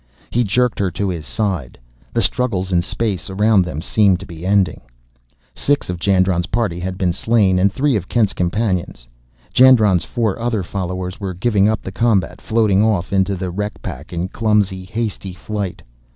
He jerked her to his side. The struggles in space around them seemed to be ending. Six of Jandron's party had been slain, and three of Kent's companions. Jandron's four other followers were giving up the combat, floating off into the wreck pack in clumsy, hasty flight.